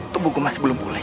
tubuhku masih belum pulih